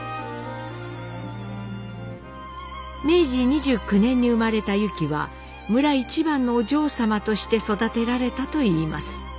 明治２９年に生まれたユキは村一番のお嬢様として育てられたといいます。